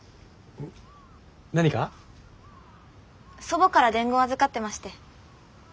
祖母から伝言預かってまして。